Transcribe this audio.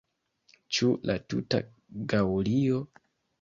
Ĉu la tuta Gaŭlio?